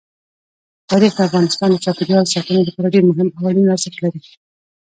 تاریخ د افغانستان د چاپیریال ساتنې لپاره ډېر مهم او اړین ارزښت لري.